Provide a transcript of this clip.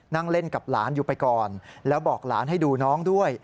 นั่งเล่นกับหลานอยู่ไปก่อนแล้วบอกหลานให้ดูน้องด้วย